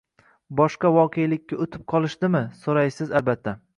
boshqa voqelikka o‘tib qolishdimi?”– so‘raysiz albatta.